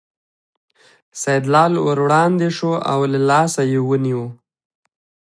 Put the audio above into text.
سیدلال ور وړاندې شو او له لاسه یې ونیو.